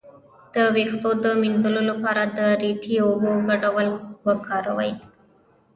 د ویښتو د مینځلو لپاره د ریټې او اوبو ګډول وکاروئ